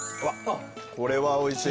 これはおいしい。